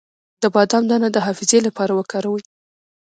د بادام دانه د حافظې لپاره وکاروئ